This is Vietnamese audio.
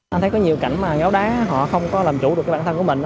anh thấy có nhiều cảnh mà ngáo đá họ không có làm chủ được bản thân của mình